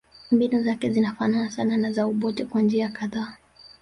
Mbinu zake zinafanana sana na za Obote kwa njia kadhaa